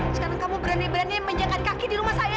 sekarang kamu berani berani menjaga kaki di rumah saya